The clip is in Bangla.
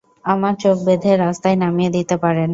আমার চোখ বেঁধে রাস্তায় নামিয়ে দিতে পারেন।